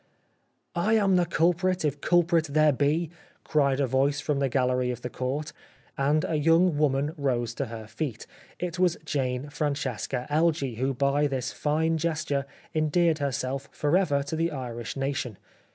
" I am the culprit, if culprit there be," cried a voice from the gallery of the court, and a young woman rose to her feet. It was Jane Francesca Elgee who by this fine gesture endeared herself for ever to the Irish Nation.